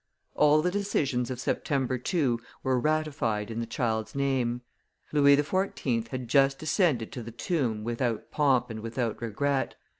All the decisions of September 2 were ratified in the child's name. Louis XIV. had just descended to the tomb without pomp and without regret.